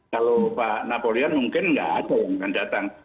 kalau pak napoleon mungkin tidak ada yang akan datang